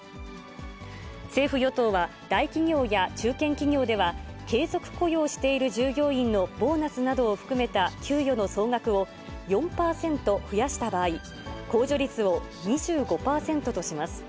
政府・与党は、大企業や中堅企業では、継続雇用している従業員のボーナスなどを含めた給与の総額を４％増やした場合、控除率を２５％とします。